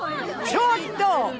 ちょっと！